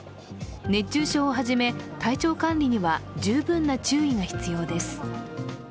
熱中症をはじめ体調管理には十分な注意が必要です。